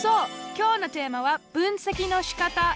きょうのテーマは「分析のしかた」。